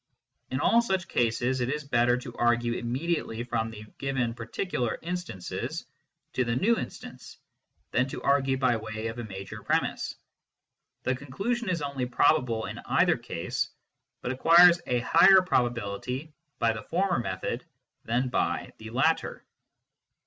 In all such cases, it is better to argue immediately from the given particular instances to the new instance, than to argue by way of a major premiss ; the conclusion is only probable in either case, but acquires a higher probability by the former method than by the latter.